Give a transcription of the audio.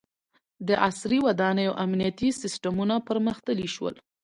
• د عصري ودانیو امنیتي سیستمونه پرمختللي شول.